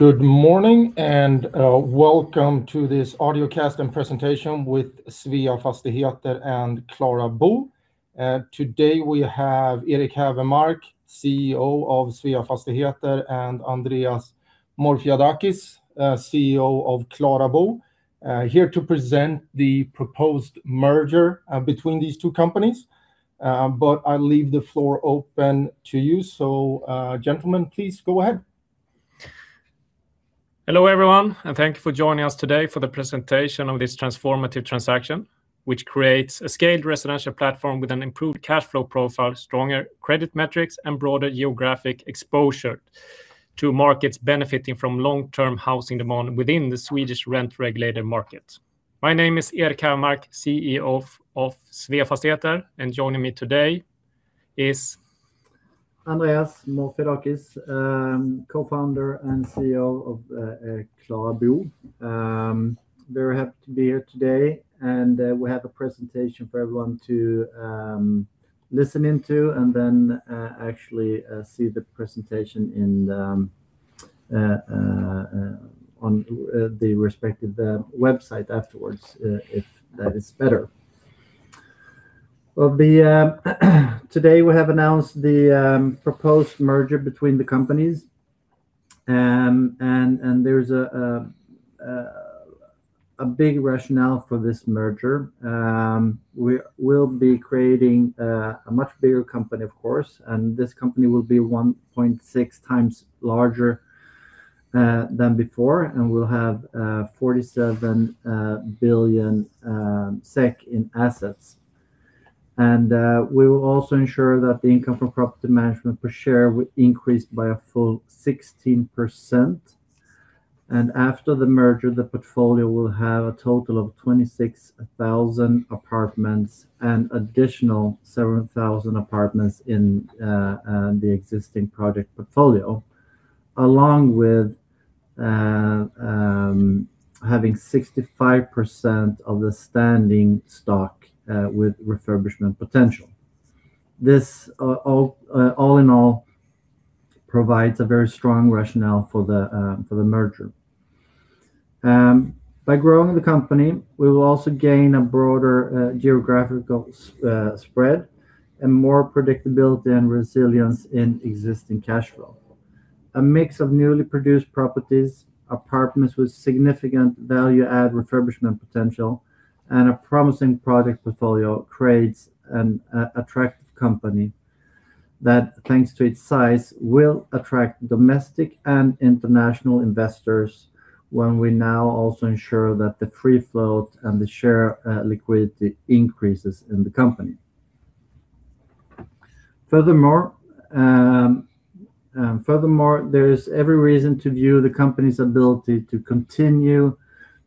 Good morning. Welcome to this audio cast and presentation with Sveafastigheter and KlaraBo. Today we have Erik Hävermark, CEO of Sveafastigheter, and Andreas Morfiadakis, CEO of KlaraBo, here to present the proposed merger between these two companies. I leave the floor open to you. Gentlemen, please go ahead. Hello, everyone, and thank you for joining us today for the presentation of this transformative transaction, which creates a scaled residential platform with an improved cash flow profile, stronger credit metrics, and broader geographic exposure to markets benefiting from long-term housing demand within the Swedish rent-regulated market. My name is Erik Hävermark, CEO of Sveafastigheter, and joining me today is- Andreas Morfiadakis, Co-Founder and CEO of KlaraBo. Very happy to be here today, we have a presentation for everyone to listen into, and then see the presentation on the respective website afterwards, if that is better. Today we have announced the proposed merger between the companies. There's a big rationale for this merger. We will be creating a much bigger company, of course, this company will be 1.6x larger than before, and we'll have 47 billion SEK in assets. We will also ensure that the income from property management per share will increase by a full 16%, and after the merger, the portfolio will have a total of 26,000 apartments and additional 7,000 apartments in the existing project portfolio, along with having 65% of the standing stock with refurbishment potential. This all in all provides a very strong rationale for the merger. By growing the company, we will also gain a broader geographical spread and more predictability and resilience in existing cash flow. A mix of newly produced properties, apartments with significant value-add refurbishment potential, and a promising project portfolio creates an attractive company that, thanks to its size, will attract domestic and international investors when we now also ensure that the free float and the share liquidity increases in the company. Furthermore, there is every reason to view the company's ability to continue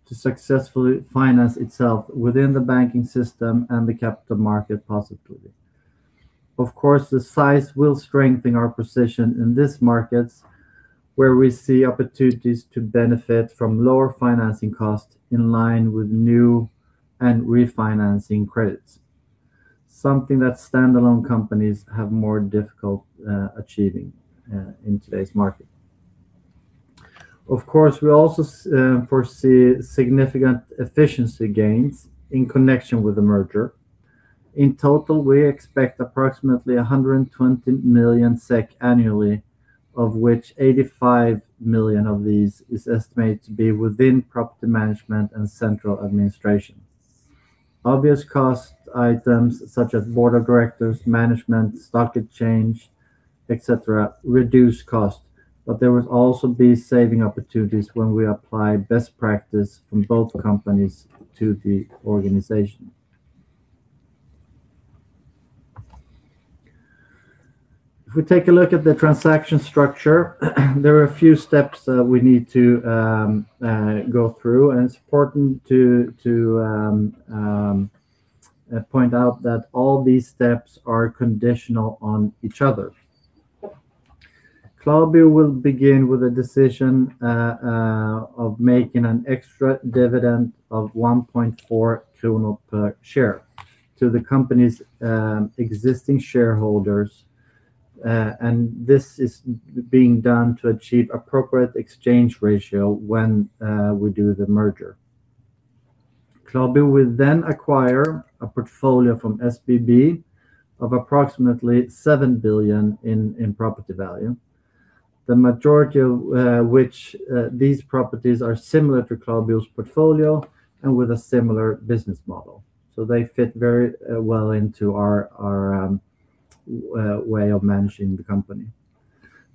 to successfully finance itself within the banking system and the capital market positively. Of course, the size will strengthen our position in these markets, where we see opportunities to benefit from lower financing costs in line with new and refinancing credits, something that standalone companies have more difficulty achieving in today's market. Of course, we also foresee significant efficiency gains in connection with the merger. In total, we expect approximately 120 million SEK annually, of which 85 million of these is estimated to be within property management and central administration. Obvious cost items such as Board of Directors, management, stock exchange, et cetera, reduce cost, but there will also be saving opportunities when we apply best practice from both companies to the organization. If we take a look at the transaction structure, there are a few steps that we need to go through, and it's important to point out that all these steps are conditional on each other. KlaraBo will begin with a decision of making an extra dividend of 1.4 kronor per share to the company's existing shareholders. This is being done to achieve appropriate exchange ratio when we do the merger. KlaraBo will acquire a portfolio from SBB of approximately 7 billion in property value. The majority of which these properties are similar to KlaraBo's portfolio and with a similar business model, so they fit very well into our way of managing the company.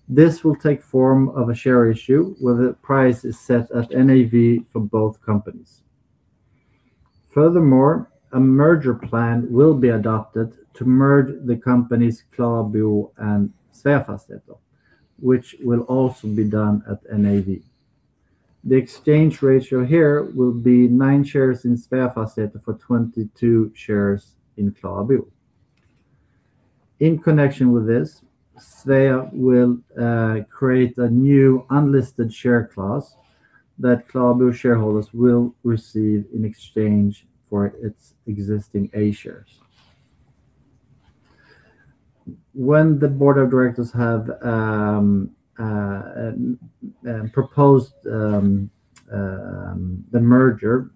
This will take form of a share issue where the price is set at NAV for both companies. A merger plan will be adopted to merge the companies KlaraBo and Sveafastigheter, which will also be done at NAV. The exchange ratio here will be 9 shares in Sveafastigheter for 22 shares in KlaraBo. In connection with this, Svea will create a new unlisted share class that KlaraBo shareholders will receive in exchange for its existing A shares. The Board of Directors have proposed the merger,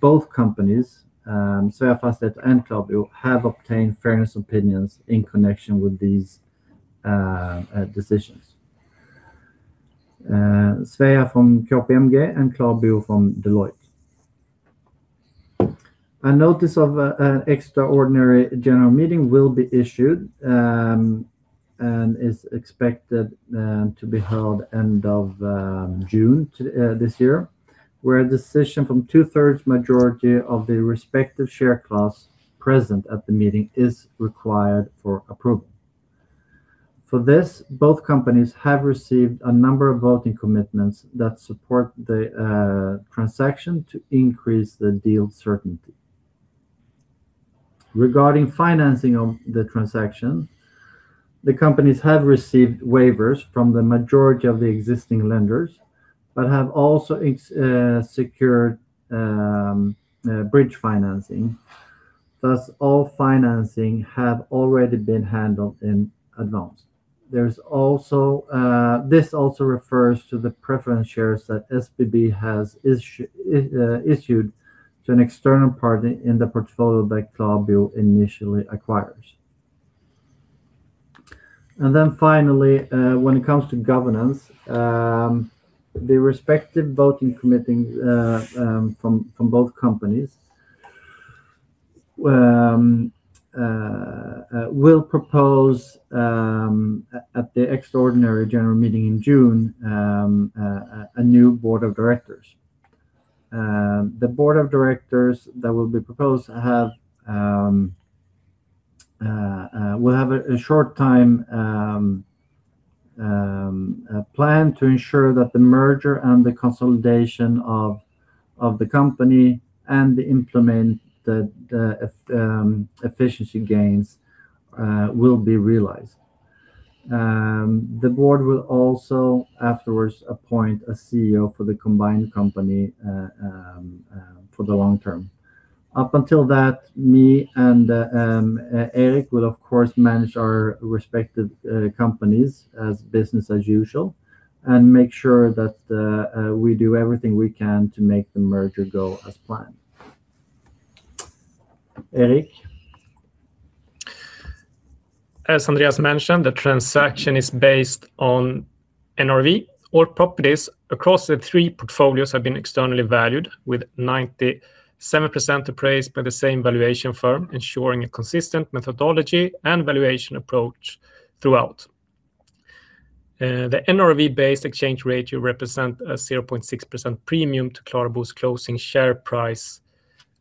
both companies, Sveafastigheter and KlaraBo, have obtained fairness opinions in connection with these decisions. Svea from KPMG and KlaraBo from Deloitte. A notice of an extraordinary general meeting will be issued and is expected to be held end of June this year, where a decision from two-thirds majority of the respective share class present at the meeting is required for approval. For this, both companies have received a number of voting commitments that support the transaction to increase the deal certainty. Regarding financing of the transaction, the companies have received waivers from the majority of the existing lenders but have also secured bridge financing. Thus, all financing have already been handled in advance. This also refers to the preference shares that SBB has issued to an external party in the portfolio that KlaraBo initially acquires. Finally, when it comes to governance, the respective voting Committee from both companies will propose at the extraordinary General Meeting in June a new Board of Directors. The Board of Directors that will be proposed will have a short time plan to ensure that the merger and the consolidation of the company and implement the efficiency gains will be realized. The board will also afterwards appoint a CEO for the combined company for the long term. Up until that, me and Erik will, of course, manage our respective companies as business as usual and make sure that we do everything we can to make the merger go as planned. Erik? As Andreas mentioned, the transaction is based on NRV. All properties across the three portfolios have been externally valued, with 97% appraised by the same valuation firm, ensuring a consistent methodology and valuation approach throughout. The NRV-based exchange rate will represent a 0.6% premium to KlaraBo's closing share price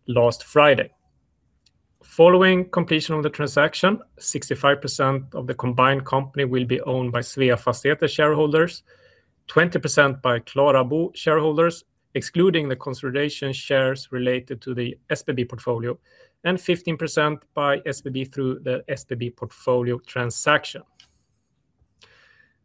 last Friday. Following completion of the transaction, 65% of the combined company will be owned by Sveafastigheter shareholders, 20% by KlaraBo shareholders, excluding the consolidation shares related to the SBB portfolio, and 15% by SBB through the SBB portfolio transaction.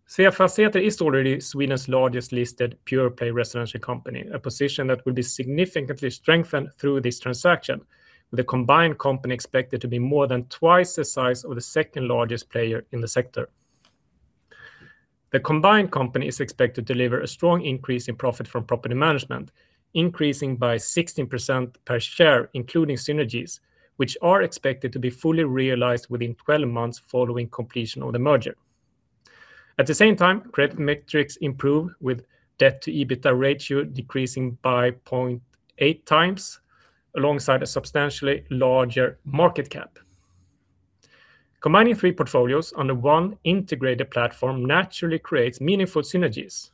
Sveafastigheter is already Sweden's largest listed pure-play residential company, a position that will be significantly strengthened through this transaction, with the combined company expected to be more than twice the size of the second-largest player in the sector. The combined company is expected to deliver a strong increase in profit from property management, increasing by 16% per share, including synergies, which are expected to be fully realized within 12 months following completion of the merger. At the same time, credit metrics improve, with debt-to-EBITDA ratio decreasing by 0.8x, alongside a substantially larger market cap. Combining three portfolios under one integrated platform naturally creates meaningful synergies.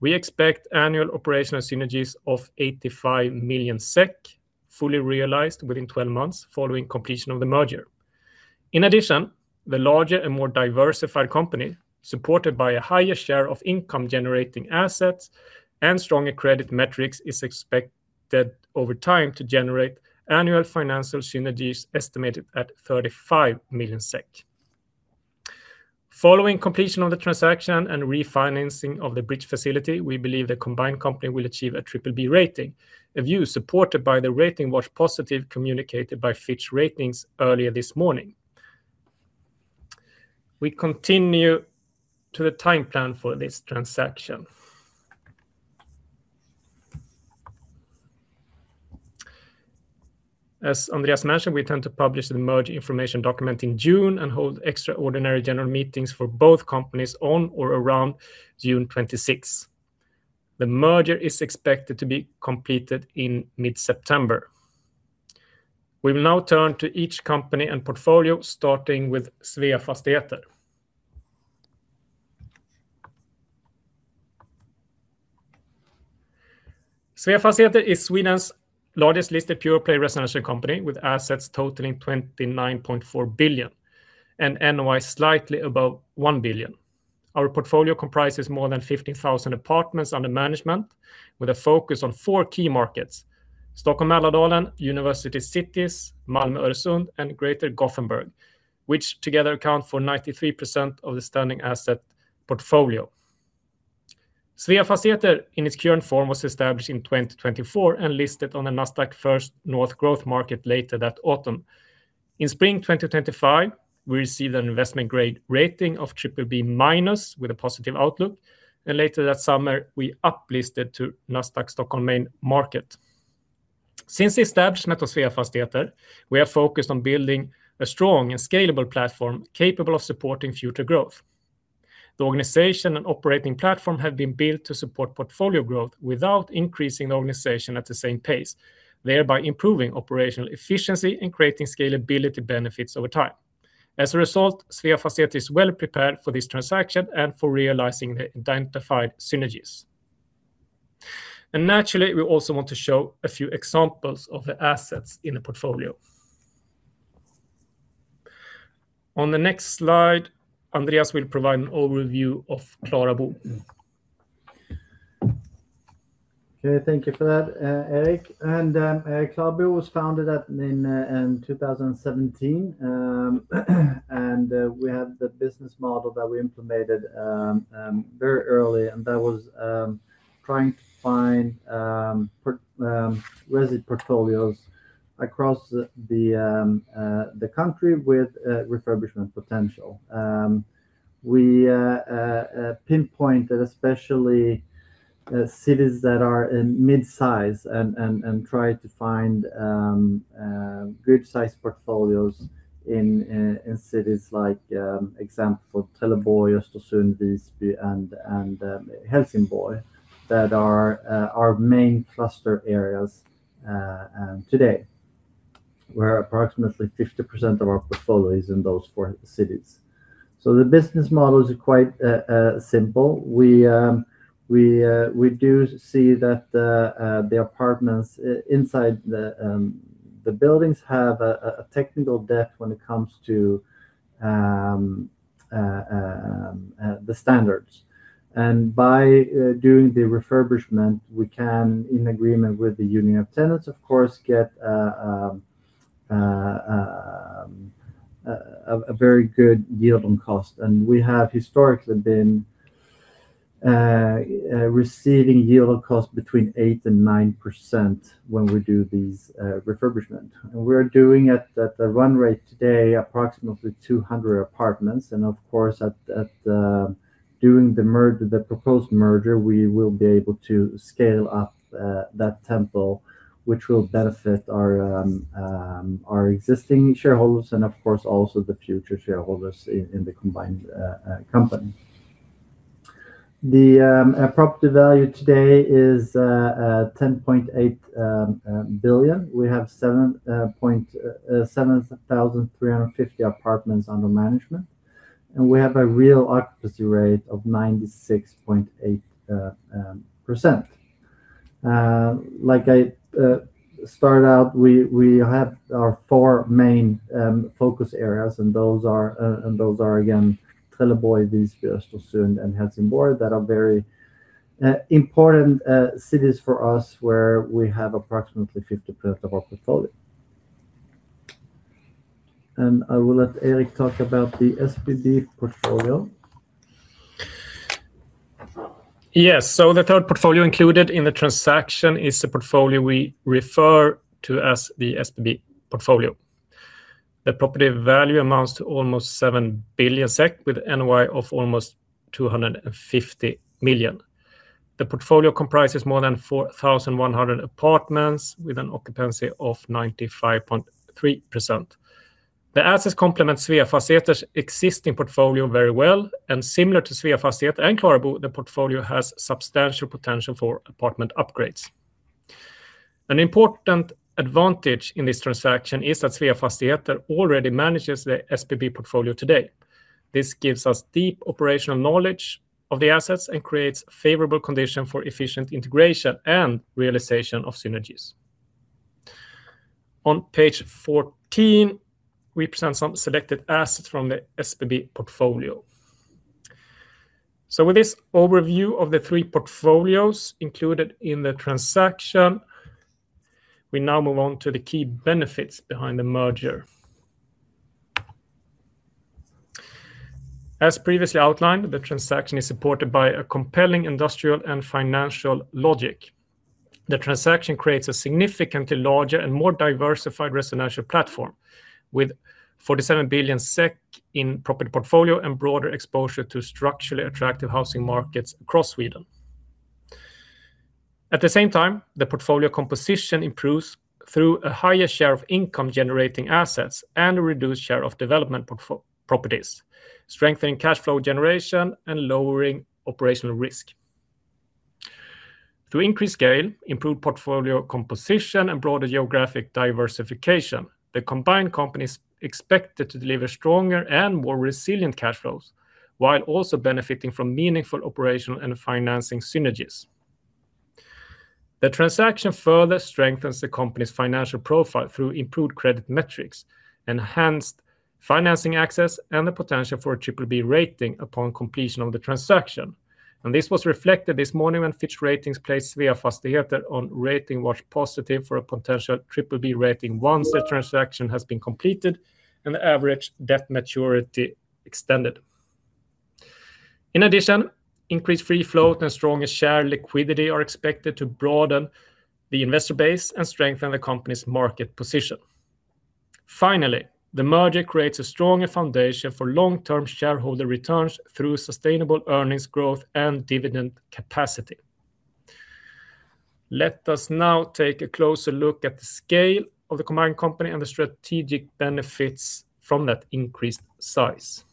We expect annual operational synergies of 85 million SEK, fully realized within 12 months following completion of the merger. In addition, the larger and more diversified company, supported by a higher share of income-generating assets and stronger credit metrics, is expected over time to generate annual financial synergies estimated at 35 million SEK. Following completion of the transaction and refinancing of the bridge facility, we believe the combined company will achieve a BBB rating, a view supported by the Rating Watch Positive communicated by Fitch Ratings earlier this morning. We continue to the time plan for this transaction. As Andreas mentioned, we intend to publish the merger information document in June and hold extraordinary general meetings for both companies on or around June 26. The merger is expected to be completed in mid-September. We will now turn to each company and portfolio, starting with Sveafastigheter. Sveafastigheter is Sweden's largest listed pure-play residential company, with assets totaling 29.4 billion, and NOI slightly above 1 billion. Our portfolio comprises more than 15,000 apartments under management, with a focus on four key markets: Stockholm-Mälardalen, University Cities, Malmö-Öresund, and Greater Gothenburg, which together account for 93% of the standing asset portfolio. Sveafastigheter in its current form was established in 2024 and listed on the Nasdaq First North Growth Market later that autumn. In spring 2025, we received an investment grade rating of BBB- with a positive outlook, and later that summer, we uplisted to Nasdaq Stockholm Main Market. Since the establishment of Sveafastigheter, we are focused on building a strong and scalable platform capable of supporting future growth. The organization and operating platform have been built to support portfolio growth without increasing the organization at the same pace, thereby improving operational efficiency and creating scalability benefits over time. As a result, Sveafastigheter is well prepared for this transaction and for realizing the identified synergies. Naturally, we also want to show a few examples of the assets in the portfolio. On the next slide, Andreas will provide an overview of KlaraBo. Okay, thank you for that, Erik. KlaraBo was founded in 2017. We had the business model that we implemented very early, and that was trying to find resi portfolios across the country with refurbishment potential. We pinpointed especially cities that are in mid-size and tried to find good size portfolios in cities like example, Trelleborg, Östersund, Visby, and Helsingborg that are our main cluster areas today, where approximately 50% of our portfolio is in those four cities. The business model is quite simple. We do see that the apartments inside the buildings have a technical debt when it comes to the standards. By doing the refurbishment, we can, in agreement with the union of tenants, of course, get a very good yield on cost. We have historically been receiving yield on cost between 8% and 9% when we do these refurbishment. We're doing it at a run rate today approximately 200 apartments. Of course, at doing the proposed merger, we will be able to scale up that tempo, which will benefit our existing shareholders and of course also the future shareholders in the combined company. The property value today is 10.8 billion. We have 7,350 apartments under management, and we have a real occupancy rate of 96.8%. Like I start out, we have our four main focus areas, and those are again, Trelleborg, Visby, Östersund, and Helsingborg that are very important cities for us where we have approximately 50% of our portfolio. I will let Erik talk about the SBB portfolio. Yes. The third portfolio included in the transaction is the portfolio we refer to as the SBB portfolio. The property value amounts to almost 7 billion SEK with NOI of almost 250 million. The portfolio comprises more than 4,100 apartments with an occupancy of 95.3%. The assets complement Sveafastigheter's existing portfolio very well, and similar to Sveafastigheter and KlaraBo, the portfolio has substantial potential for apartment upgrades. An important advantage in this transaction is that Sveafastigheter already manages the SBB portfolio today. This gives us deep operational knowledge of the assets and creates favorable condition for efficient integration and realization of synergies. On Page 14, we present some selected assets from the SBB portfolio. With this overview of the three portfolios included in the transaction, we now move on to the key benefits behind the merger. As previously outlined, the transaction is supported by a compelling industrial and financial logic. The transaction creates a significantly larger and more diversified residential platform with 47 billion SEK in property portfolio and broader exposure to structurally attractive housing markets across Sweden. At the same time, the portfolio composition improves through a higher share of income-generating assets and a reduced share of development properties, strengthening cash flow generation and lowering operational risk. Through increased scale, improved portfolio composition, and broader geographic diversification, the combined company is expected to deliver stronger and more resilient cash flows while also benefiting from meaningful operational and financing synergies. The transaction further strengthens the company's financial profile through improved credit metrics, enhanced financing access, and the potential for a BBB rating upon completion of the transaction. This was reflected this morning when Fitch Ratings placed Sveafastigheter on Rating Watch Positive for a potential BBB rating once the transaction has been completed and the average debt maturity extended. Increased free float and stronger share liquidity are expected to broaden the investor base and strengthen the company's market position. The merger creates a stronger foundation for long-term shareholder returns through sustainable earnings growth and dividend capacity. Let us now take a closer look at the scale of the combined company and the strategic benefits from that increased size.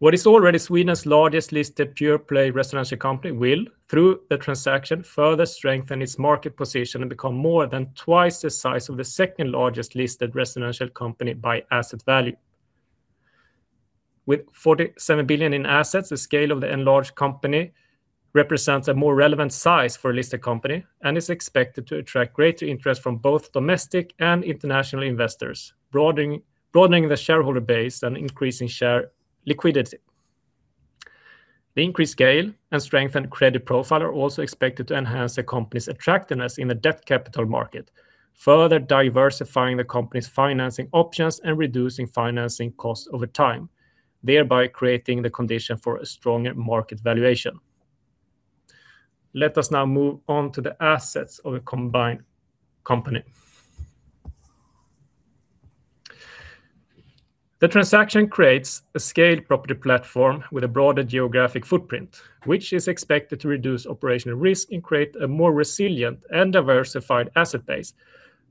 What is already Sweden's largest listed pure-play residential company will, through the transaction, further strengthen its market position and become more than twice the size of the second largest listed residential company by asset value. With 47 billion in assets, the scale of the enlarged company represents a more relevant size for a listed company and is expected to attract greater interest from both domestic and international investors, broadening the shareholder base and increasing share liquidity. The increased scale and strengthened credit profile are also expected to enhance the company's attractiveness in the debt capital market, further diversifying the company's financing options and reducing financing costs over time, thereby creating the condition for a stronger market valuation. Let us now move on to the assets of a combined company. The transaction creates a scaled property platform with a broader geographic footprint, which is expected to reduce operational risk and create a more resilient and diversified asset base,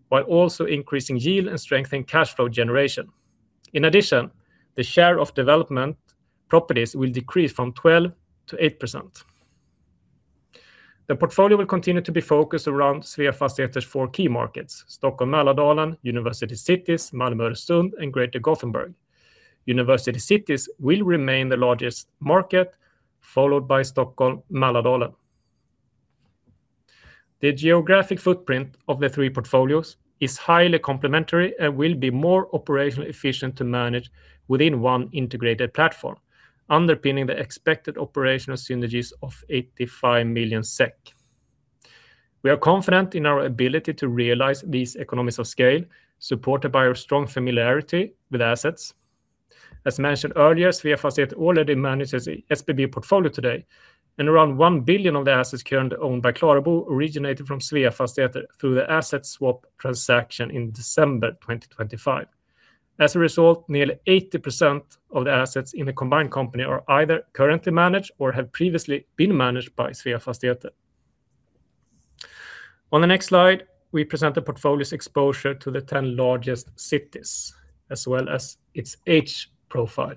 while also increasing yield and strengthening cash flow generation. In addition, the share of development properties will decrease from 12%-8%. The portfolio will continue to be focused around Sveafastigheter's four key markets: Stockholm Mälardalen, University Cities, Malmö Öresund, and Greater Gothenburg. University Cities will remain the largest market, followed by Stockholm Mälardalen. The geographic footprint of the three portfolios is highly complementary and will be more operationally efficient to manage within one integrated platform, underpinning the expected operational synergies of 85 million SEK. We are confident in our ability to realize these economies of scale, supported by our strong familiarity with assets. As mentioned earlier, Sveafastigheter already manages the SBB portfolio today, and around 1 billion of the assets currently owned by KlaraBo originated from Sveafastigheter through the asset swap transaction in December 2025. As a result, nearly 80% of the assets in the combined company are either currently managed or have previously been managed by Sveafastigheter. On the next slide, we present the portfolio's exposure to the 10 largest cities, as well as its age profile.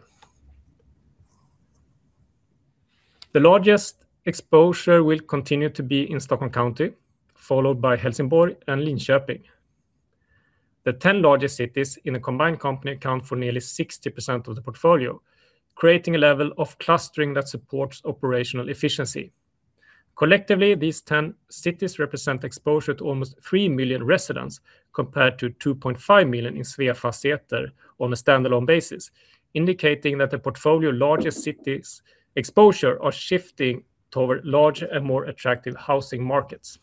The largest exposure will continue to be in Stockholm County, followed by Helsingborg and Linköping. The 10 largest cities in a combined company account for nearly 60% of the portfolio, creating a level of clustering that supports operational efficiency. Collectively, these 10 cities represent exposure to almost 3 million residents, compared to 2.5 million in Sveafastigheter on a standalone basis, indicating that the portfolio largest cities exposure are shifting toward larger and more attractive housing markets.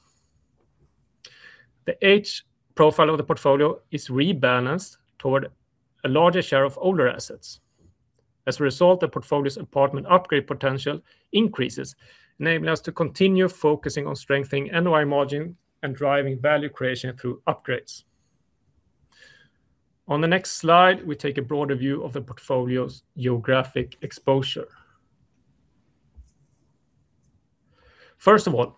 The age profile of the portfolio is rebalanced toward a larger share of older assets. As a result, the portfolio's apartment upgrade potential increases, enabling us to continue focusing on strengthening NOI margin and driving value creation through upgrades. On the next slide, we take a broader view of the portfolio's geographic exposure. The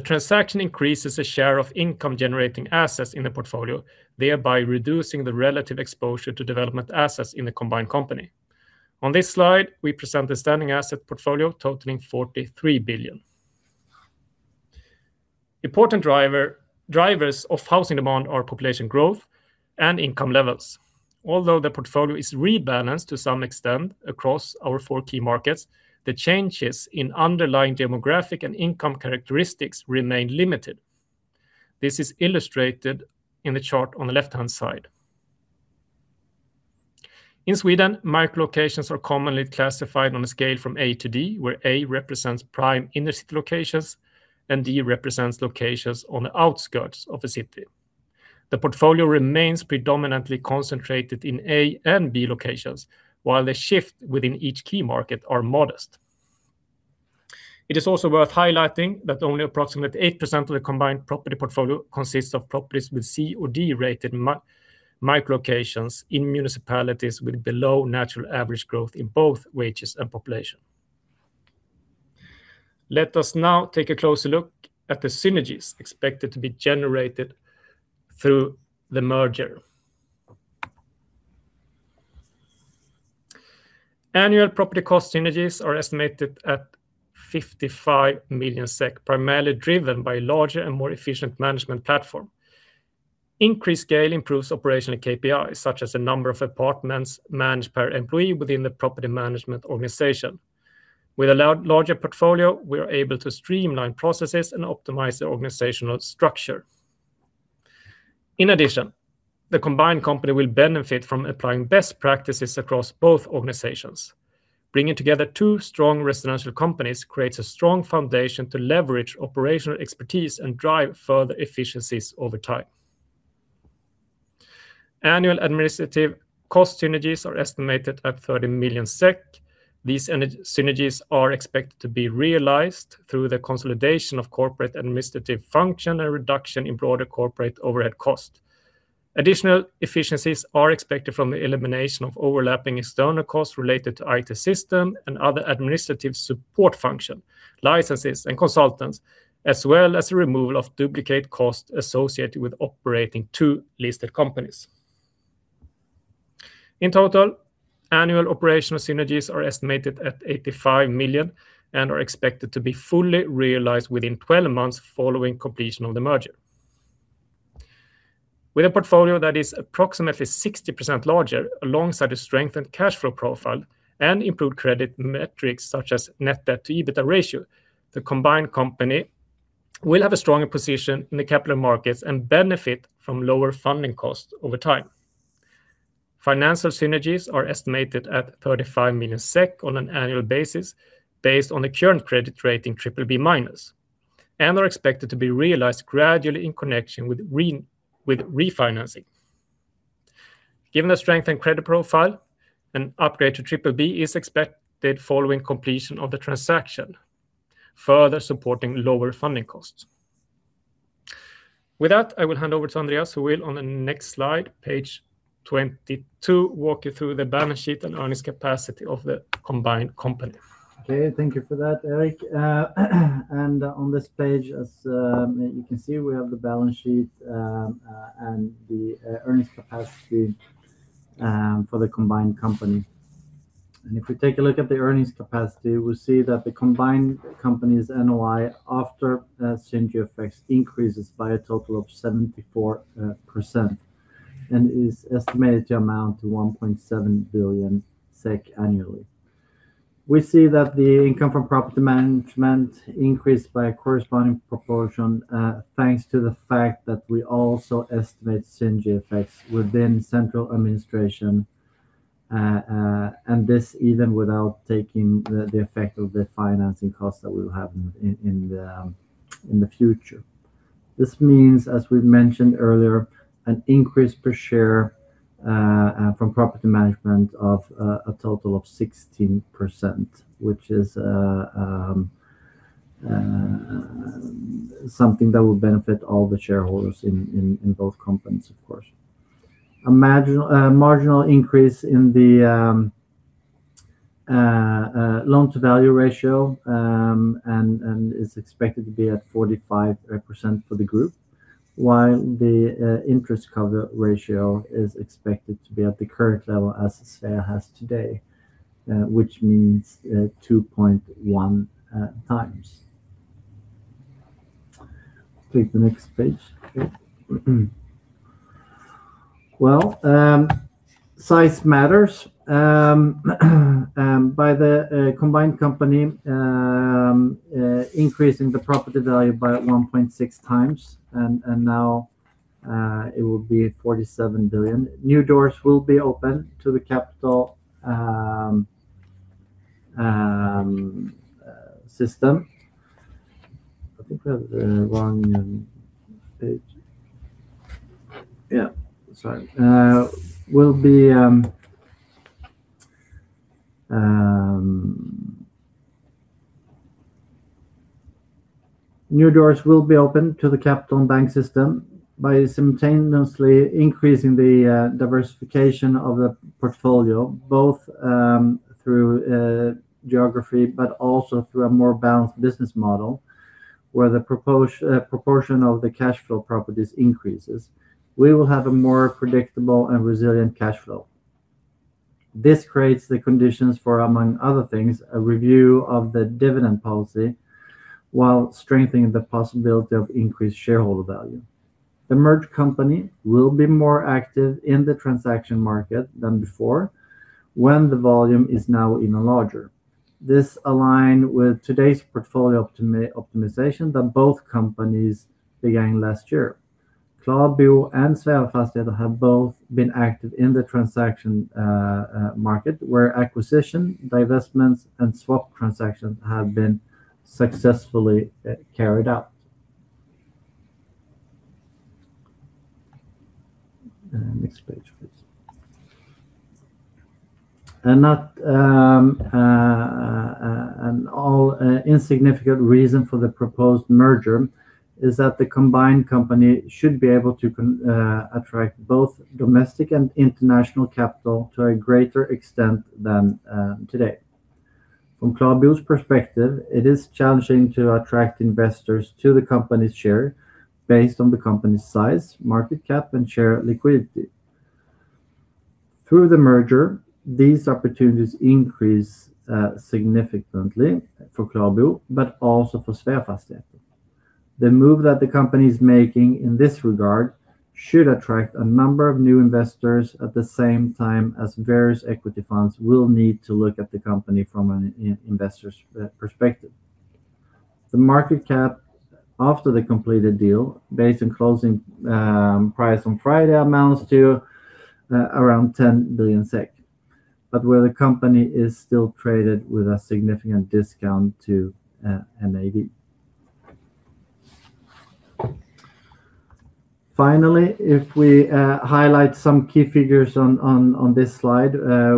transaction increases the share of income-generating assets in the portfolio, thereby reducing the relative exposure to development assets in the combined company. On this slide, we present the standing asset portfolio totaling 43 billion. Important drivers of housing demand are population growth and income levels. Although the portfolio is rebalanced to some extent across our four key markets, the changes in underlying demographic and income characteristics remain limited. This is illustrated in the chart on the left-hand side. In Sweden, micro locations are commonly classified on a scale from A-D, where A represents prime inner city locations and D represents locations on the outskirts of the city. The portfolio remains predominantly concentrated in A and B locations, while the shift within each key market are modest. It is also worth highlighting that only approximately 8% of the combined property portfolio consists of properties with C or D-rated micro locations in municipalities with below natural average growth in both wages and population. Let us now take a closer look at the synergies expected to be generated through the merger. Annual property cost synergies are estimated at 55 million SEK, primarily driven by larger and more efficient management platform. Increased scale improves operational KPIs, such as the number of apartments managed per employee within the property management organization. With a larger portfolio, we are able to streamline processes and optimize the organizational structure. The combined company will benefit from applying best practices across both organizations. Bringing together two strong residential companies creates a strong foundation to leverage operational expertise and drive further efficiencies over time. Annual administrative cost synergies are estimated at 30 million SEK. These synergies are expected to be realized through the consolidation of corporate administrative function and reduction in broader corporate overhead cost. Additional efficiencies are expected from the elimination of overlapping external costs related to IT system and other administrative support function, licenses, and consultants, as well as the removal of duplicate costs associated with operating two listed companies. In total, annual operational synergies are estimated at 85 million and are expected to be fully realized within 12 months following completion of the merger. With a portfolio that is approximately 60% larger alongside a strengthened cash flow profile and improved credit metrics such as net debt to EBITDA ratio, the combined company will have a stronger position in the capital markets and benefit from lower funding costs over time. Financial synergies are estimated at 35 million SEK on an annual basis based on the current credit rating BBB- and are expected to be realized gradually in connection with refinancing. Given the strengthened credit profile, an upgrade to BBB is expected following completion of the transaction, further supporting lower funding costs. With that, I will hand over to Andreas who will, on the next slide, Page 22, walk you through the balance sheet and earnings capacity of the combined company. Okay, thank you for that, Erik. On this page, as you can see, we have the balance sheet and the earnings capacity for the combined company. If we take a look at the earnings capacity, we see that the combined company's NOI after synergy effects increases by a total of 74% and is estimated to amount to 1.7 billion SEK annually. We see that the income from property management increased by a corresponding proportion, thanks to the fact that we also estimate synergy effects within central administration, and this even without taking the effect of the financing costs that we will have in the future. This means, as we've mentioned earlier, an increase per share from property management of a total of 16%, which is something that will benefit all the shareholders in both companies, of course. A marginal increase in the loan-to-value ratio and is expected to be at 45% for the group, while the interest coverage ratio is expected to be at the current level as Svea has today, which means 2.1x. Take the next page. Well, size matters. By the combined company increasing the property value by 1.6x, and now it will be 47 billion. New doors will be open to the capital system. I think we have the wrong page. Yeah, that's right. New doors will be open to the capital and bank system by simultaneously increasing the diversification of the portfolio, both through geography, but also through a more balanced business model, where the proportion of the cash flow properties increases. We will have a more predictable and resilient cash flow. This creates the conditions for, among other things, a review of the dividend policy while strengthening the possibility of increased shareholder value. The merged company will be more active in the transaction market than before when the volume is now even larger. This align with today's portfolio optimization that both companies began last year. KlaraBo and Sveafastigheter have both been active in the transaction market, where acquisition, divestments, and swap transactions have been successfully carried out. Next page, please. Not an all insignificant reason for the proposed merger is that the combined company should be able to attract both domestic and international capital to a greater extent than today. From KlaraBo's perspective, it is challenging to attract investors to the company's share based on the company's size, market cap, and share liquidity. Through the merger, these opportunities increase significantly for KlaraBo, but also for Sveafastigheter. The move that the company is making in this regard should attract a number of new investors at the same time as various equity funds will need to look at the company from an investor's perspective. The market cap after the completed deal, based on closing price on Friday, amounts to around 10 billion SEK, but where the company is still traded with a significant discount to NAV. Finally, if we highlight some key figures on this slide,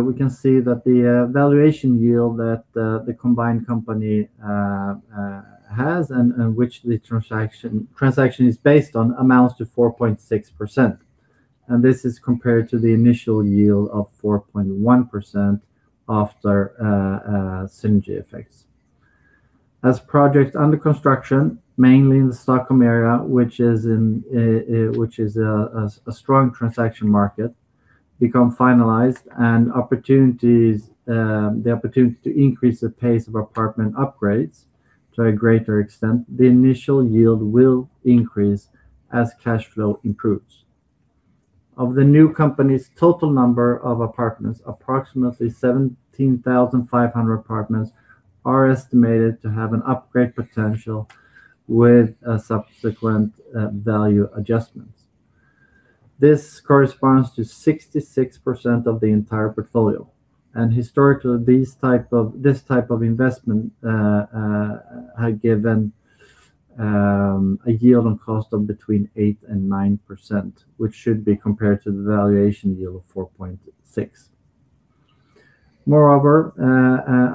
we can see that the valuation yield that the combined company has and in which the transaction is based on amounts to 4.6%. This is compared to the initial yield of 4.1% after synergy effects. As projects under construction, mainly in the Stockholm area, which is a strong transaction market, become finalized and opportunities, the opportunity to increase the pace of apartment upgrades to a greater extent, the initial yield will increase as cash flow improves. Of the new company's total number of apartments, approximately 17,500 apartments are estimated to have an upgrade potential with subsequent value adjustments. This corresponds to 66% of the entire portfolio. Historically this type of investment have given a yield on cost of between 8% and 9%, which should be compared to the valuation yield of 4.6%. Moreover,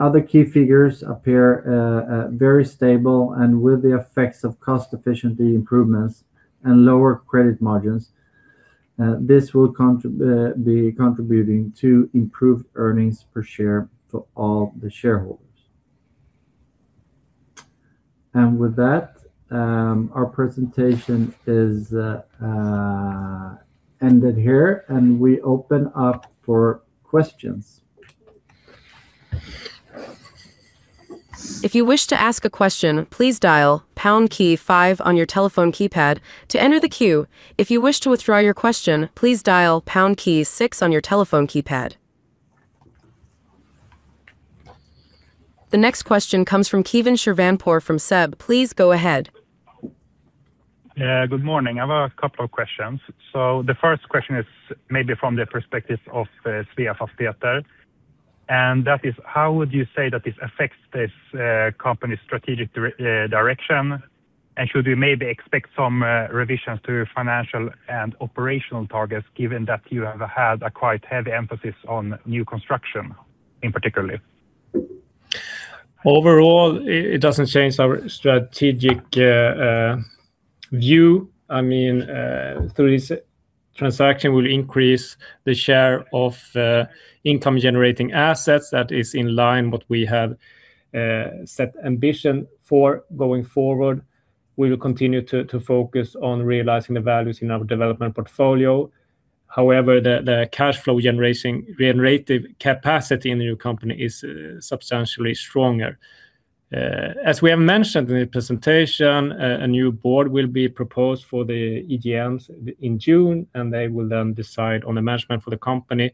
other key figures appear very stable, and with the effects of cost efficiency improvements and lower credit margins, this will be contributing to improved earnings per share for all the shareholders. With that, our presentation is ended here, and we open up for questions. The next question comes from Keivan Shirvanpour from SEB. Please go ahead. Yeah, good morning. I've a couple of questions. The first question is maybe from the perspective of Sveafastigheter, and that is: How would you say that this affects this company's strategic direction? Should we maybe expect some revisions to financial and operational targets, given that you have had a quite heavy emphasis on new construction in particular? Overall, it doesn't change our strategic view. I mean, through this transaction will increase the share of income-generating assets that is in line what we have set ambition for. Going forward, we will continue to focus on realizing the values in our development portfolio. The cash flow generative capacity in the new company is substantially stronger. As we have mentioned in the presentation, a new board will be proposed for the EGMs in June. They will then decide on the management for the company.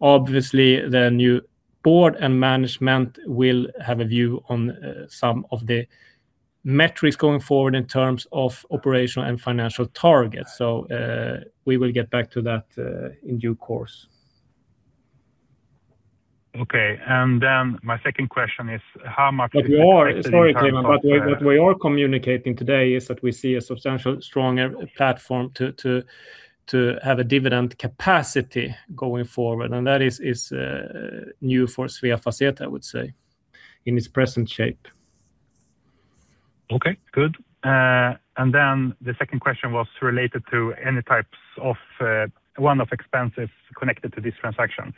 Obviously, the new board and management will have a view on some of the metrics going forward in terms of operational and financial targets. We will get back to that in due course. Okay. My second question is: How much is the Sorry, Keivan, what we are communicating today is that we see a substantial stronger platform to have a dividend capacity going forward. That is new for Sveafastigheter, I would say, in its present shape. Okay, good. Then the second question was related to any types of one-off expenses connected to this transaction.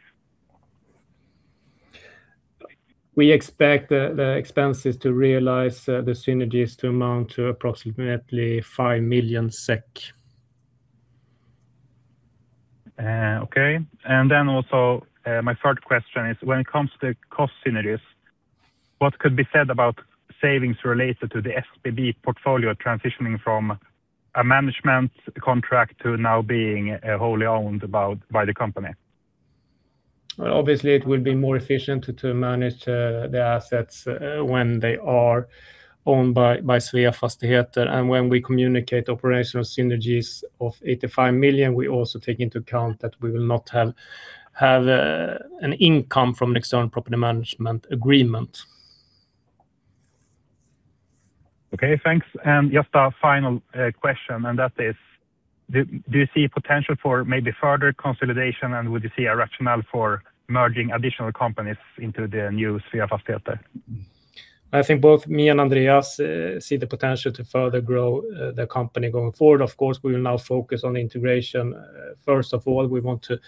We expect the expenses to realize the synergies to amount to approximately SEK 5 million. My third question is: When it comes to cost synergies, what could be said about savings related to the SBB portfolio transitioning from a management contract to now being wholly owned by the company? Obviously, it will be more efficient to manage the assets when they are owned by Sveafastigheter. When we communicate operational synergies of 85 million, we also take into account that we will not have an income from an external property management agreement. Okay, thanks. Just a final question, and that is. Do you see potential for maybe further consolidation, and would you see a rationale for merging additional companies into the new Sveafastigheter? I think both me and Andreas see the potential to further grow the company going forward. Of course, we will now focus on integration. First of all, we want to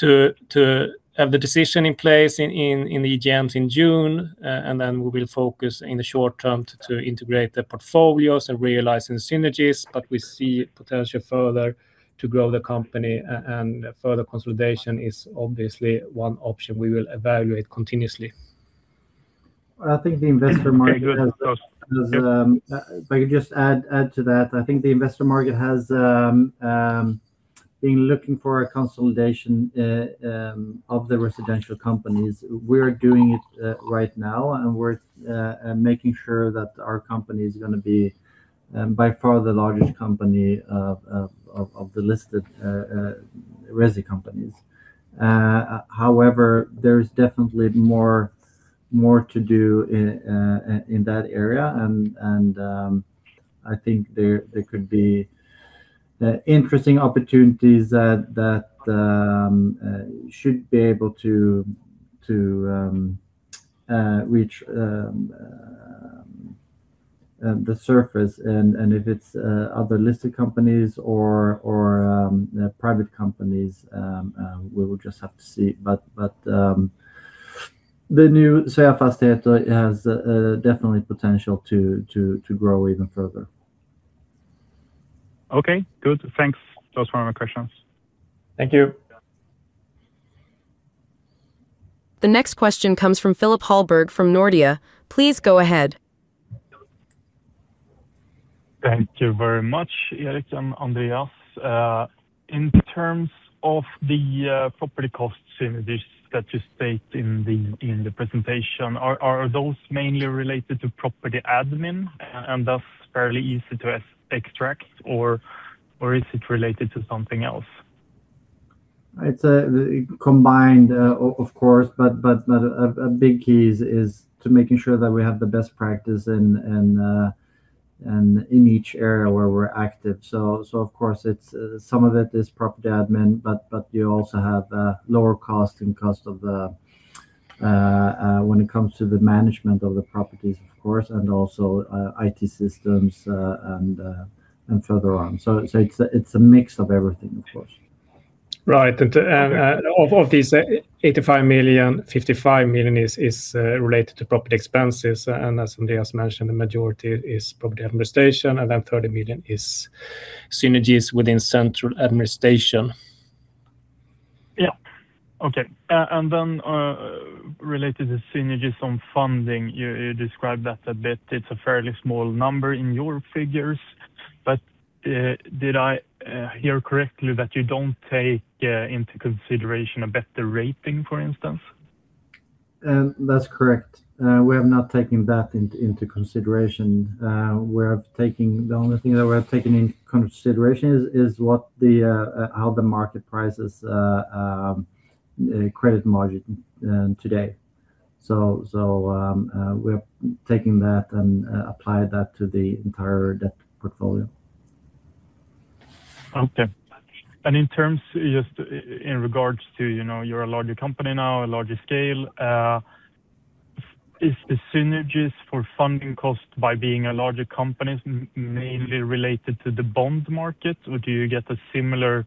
have the decision in place in the EGMs in June. Then we will focus in the short term to integrate the portfolios and realizing synergies. We see potential further to grow the company and further consolidation is obviously one option we will evaluate continuously. I think the investor market has. Very good. Thanks If I could just add to that, I think the investor market has been looking for a consolidation of the residential companies. We're doing it right now, and we're making sure that our company is gonna be by far the largest company of the listed resi companies. However, there is definitely more to do in that area. I think there could be interesting opportunities that should be able to reach the surface. If it's other listed companies or private companies, we will just have to see. The new Sveafastigheter has definitely potential to grow even further. Okay. Good. Thanks. Those were my questions. Thank you. The next question comes from Philip Hallberg from Nordea. Please go ahead. Thank you very much, Erik and Andreas. In terms of the property costs synergies that you state in the presentation, are those mainly related to property admin and thus fairly easy to extract, or is it related to something else? It's a combined, of course, but a big key is to making sure that we have the best practice in each area where we're active. Of course it's some of it is property admin, but you also have lower cost and cost of the when it comes to the management of the properties, of course, and also IT systems, and further on. It's a mix of everything, of course. Right. Of these 85 million, 55 million is related to property expenses, and as Andreas mentioned, the majority is property administration, and then 30 million is synergies within central administration. Yeah. Okay. Related to synergies on funding, you described that a bit. It's a fairly small number in your figures, but did I hear correctly that you don't take into consideration a better rating, for instance? That's correct. We have not taken that into consideration. The only thing that we're taking into consideration is what the how the market prices credit margin today. We're taking that and apply that to the entire debt portfolio. Okay. In terms just in regards to, you know, you're a larger company now, a larger scale, is the synergies for funding cost by being a larger company mainly related to the bond market, or do you get a similar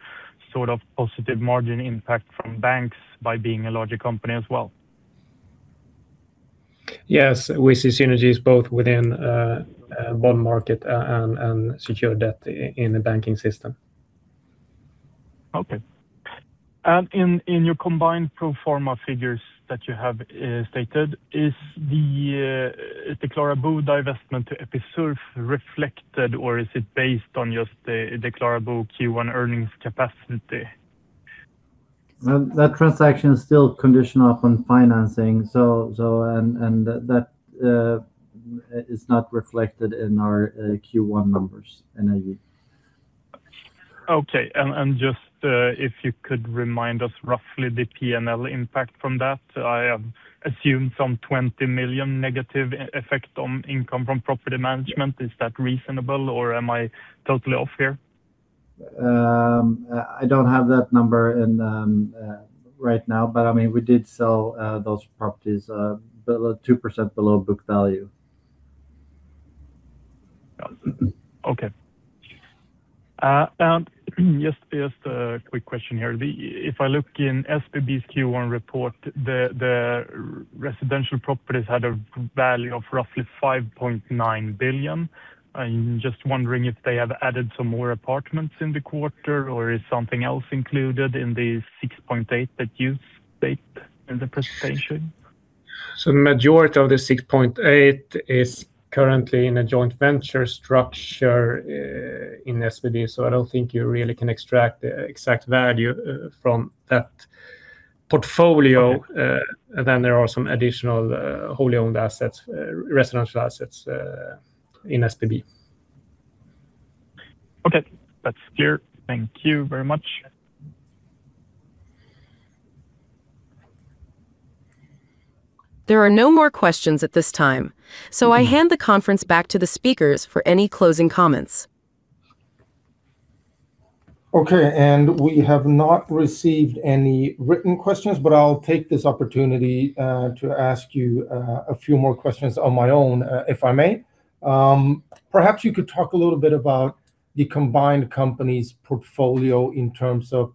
sort of positive margin impact from banks by being a larger company as well? Yes. We see synergies both within bond market and secured debt in the banking system. Okay. In your combined pro forma figures that you have stated, is the KlaraBo divestment to Episurf reflected or is it based on just the KlaraBo Q1 earnings capacity? Well, that transaction is still conditional upon financing, so that is not reflected in our Q1 numbers, NAV. Okay. Just, if you could remind us roughly the P&L impact from that. I assume some 20 million negative effect on income from property management. Is that reasonable or am I totally off here? I don't have that number in right now, but, I mean, we did sell those properties below 2% below book value. Got it. Okay. Just a quick question here. If I look in SBB's Q1 report, the residential properties had a value of roughly 5.9 billion. I'm just wondering if they have added some more apartments in the quarter, or is something else included in the 6.8 million that you state in the presentation? The majority of the 6.8 million is currently in a joint venture structure in SBB. I don't think you really can extract the exact value from that portfolio. Okay. There are some additional, wholly owned assets, residential assets, in SBB. Okay. That's clear. Thank you very much. There are no more questions at this time. I hand the conference back to the speakers for any closing comments. Okay. We have not received any written questions, but I'll take this opportunity to ask you a few more questions on my own, if I may. Perhaps you could talk a little bit about the combined company's portfolio in terms of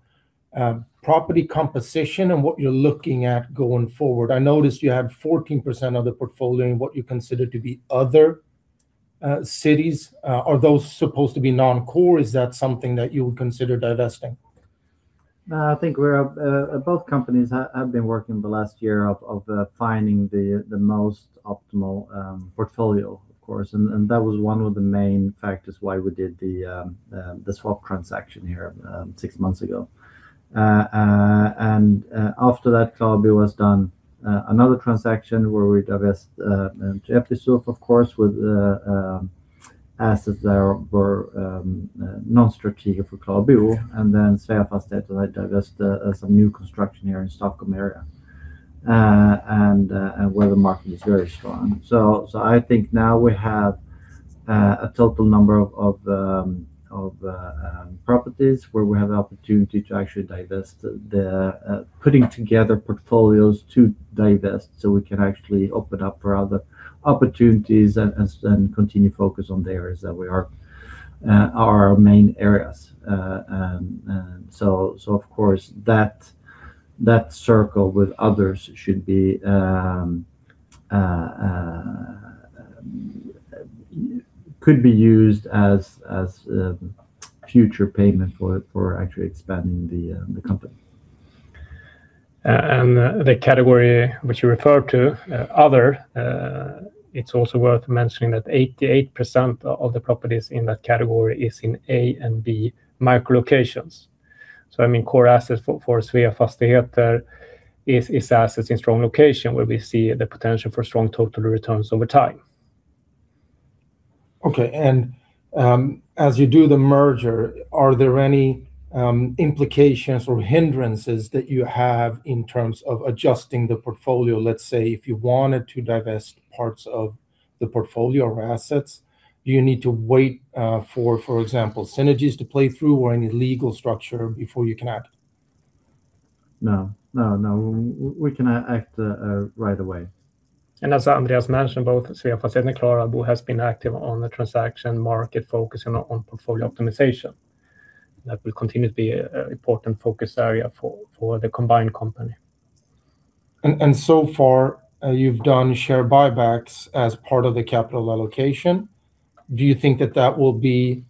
property composition and what you're looking at going forward. I noticed you have 14% of the portfolio in what you consider to be other cities. Are those supposed to be non-core? Is that something that you would consider divesting? I think we're both companies have been working the last year of finding the most optimal portfolio, of course. That was one of the main factors why we did the swap transaction here six months ago. After that KlaraBo was done another transaction where we divest to Episurf of course with assets that were non-strategic for KlaraBo and then Sveafastigheter divest some new construction here in Stockholm area. Where the market is very strong. I think now we have a total number of properties where we have the opportunity to actually divest the putting together portfolios to divest so we can actually open up for other opportunities and continue focus on the areas that we are our main areas. Of course that circle with others should be could be used as future payment for actually expanding the company. The category which you referred to, other, it's also worth mentioning that 88% of the properties in that category is in A and B micro locations. I mean, core assets for Sveafastigheter is assets in strong location where we see the potential for strong total returns over time. Okay. As you do the merger, are there any implications or hindrances that you have in terms of adjusting the portfolio? Let's say if you wanted to divest parts of the portfolio or assets, do you need to wait for example, synergies to play through or any legal structure before you can act? No, no. We can act right away. As Andreas mentioned, both Sveafastigheter and KlaraBo has been active on the transaction market focusing on portfolio optimization. That will continue to be a important focus area for the combined company. So far, you've done share buybacks as part of the capital allocation. Do you think that that will be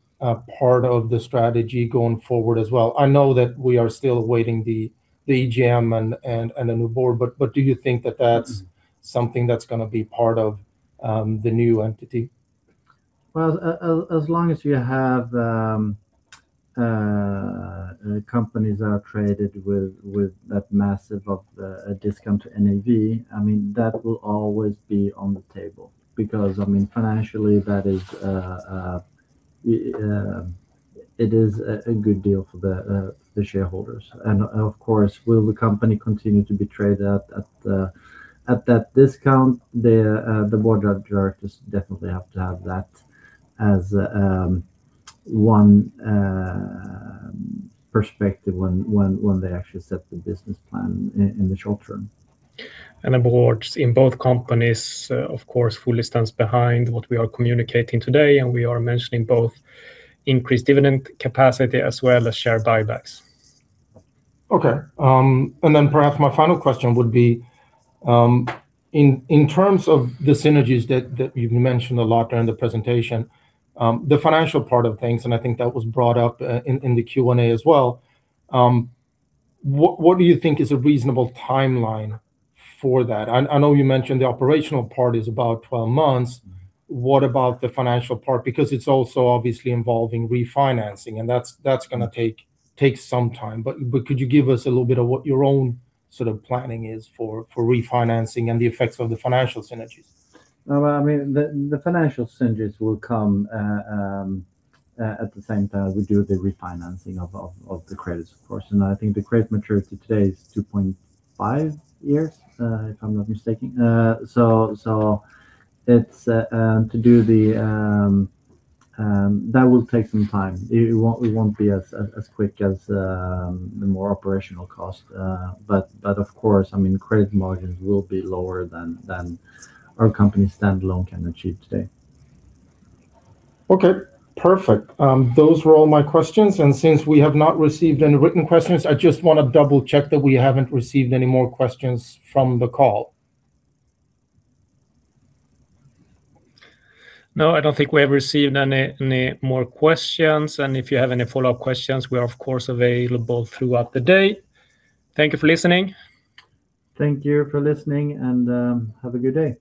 part of the strategy going forward as well? I know that we are still awaiting the AGM and a new board, but do you think that that's gonna be part of the new entity? As long as you have companies are traded with that massive of a discount to NAV, I mean, that will always be on the table because, I mean, financially that is a good deal for the shareholders. Of course, will the company continue to be traded at that discount? The Board of Directors definitely have to have that as one perspective when they actually set the business plan in the short-term. The boards in both companies, of course, fully stands behind what we are communicating today, and we are mentioning both increased dividend capacity as well as share buybacks. Okay. Then perhaps my final question would be, in terms of the synergies that you've mentioned a lot during the presentation, the financial part of things, and I think that was brought up in the Q&A as well, what do you think is a reasonable timeline for that? I know you mentioned the operational part is about 12 months. What about the financial part? Because it's also obviously involving refinancing, and that's gonna take some time. Could you give us a little bit of what your own sort of planning is for refinancing and the effects of the financial synergies? No, but I mean, the financial synergies will come at the same time we do the refinancing of the credits, of course. I think the credit maturity today is 2.5 years, if I'm not mistaken. It will take some time. It won't be as quick as the more operational cost. Of course, I mean, credit margins will be lower than our company standalone can achieve today. Okay, perfect. Those were all my questions. Since we have not received any written questions, I just wanna double-check that we haven't received any more questions from the call. No, I don't think we have received any more questions. If you have any follow-up questions, we are of course available throughout the day. Thank you for listening. Thank you for listening and have a good day.